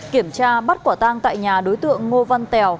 kiểm tra bắt quả tang tại nhà đối tượng ngô văn tèo